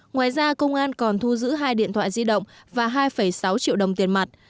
ngoài ra công an còn thu giữ hai điện thoại di động và hai sáu triệu đồng tiền mặt